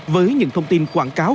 với những thông tin quảng cáo